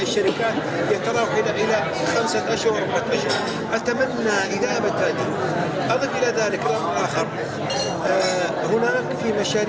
saya ingin memperbaiki ruang